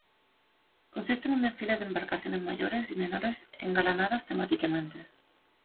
Consiste en un desfile de embarcaciones mayores y menores engalanadas temáticamente.